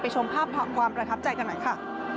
ชมภาพความประทับใจกันหน่อยค่ะ